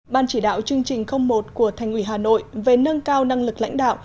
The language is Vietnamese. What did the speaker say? ban chỉ đạo chương trình một của thành ủy hà nội về nâng cao năng lực lãnh đạo